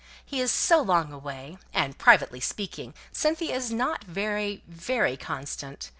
He is so long away, and, privately speaking, Cynthia is not very, very constant.